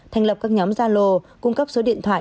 thành lập các nhóm gia lô cung cấp số điện thoại